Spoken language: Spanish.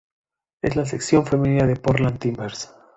Es la sección femenina del Portland Timbers.